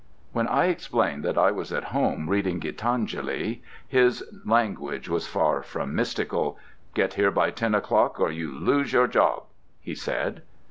When I explained that I was at home reading "Gitanjali," his language was far from mystical. "Get here by ten o'clock or you lose your job," he said.